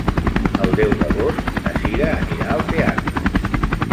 El deu d'agost na Cira anirà al teatre.